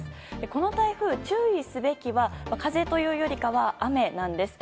この台風、注意すべきは風というよりかは雨なんです。